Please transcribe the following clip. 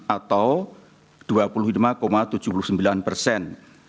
atau dua puluh lima tujuh puluh sembilan persen